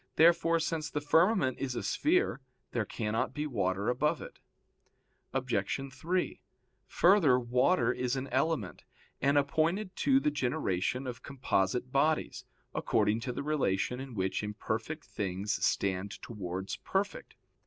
Therefore, since the firmament is a sphere, there cannot be water above it. Obj. 3: Further, water is an element, and appointed to the generation of composite bodies, according to the relation in which imperfect things stand towards perfect.